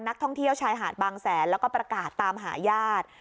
นักท่องเที่ยวชายหาดบางแสนแล้วก็ประกาศตามหาญาติ